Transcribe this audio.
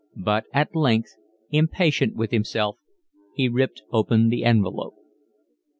But at length, impatient with himself, he ripped open the envelope.